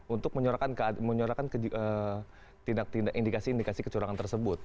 untuk menyorakkan tindak tindak indikasi indikasi kecurangan tersebut